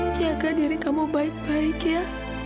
jaga diri kamu baik baik ya